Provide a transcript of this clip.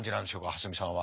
蓮見さんは。